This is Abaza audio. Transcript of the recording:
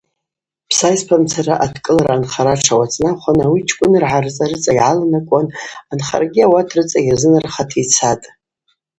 Псайспамцара адкӏылара анхара тшауацӏнахуан, ауи чкӏвыныргӏа рыцӏа-рыцӏа йгӏаланакӏуан, анхарагьи ауат рыцӏа йырзынархата йцатӏ.